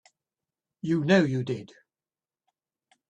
You know you did.